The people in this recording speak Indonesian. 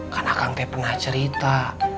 kan akang pe pernah cerita